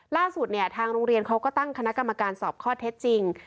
ล่าสุดเนี่ยทางโรงเรียนเขาก็ตั้งคณะกรรมการสอบข้อเท็จจริง